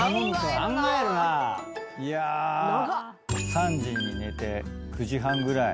３時に寝て９時半ぐらい。